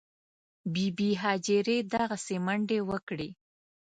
بي بي هاجرې دغسې منډې وکړې.